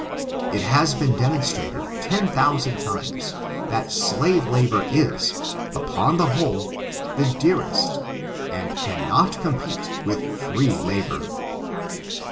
It has been demonstrated ten thousand times, that slave labor is, upon the whole, the dearcsst, and cannot compete with free labor.